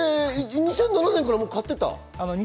２００７年からもう買ってた。